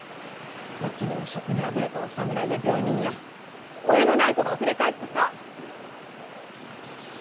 町には職にあぶれたお侍や病人や親のない子があふれかえってさ。